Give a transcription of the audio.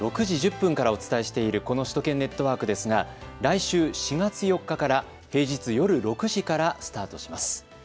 ６時１０分からお伝えしているこの首都圏ネットワークですが来週４月４日から平日夜６時からスタートします。